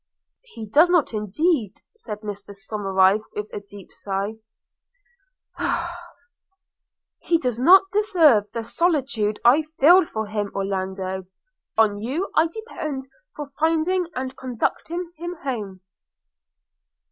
'He does not indeed,' said Mr Somerive with a deep sigh – 'he does not deserve the solicitude I feel for him. Orlando, on you I depend for finding and conducting him home.'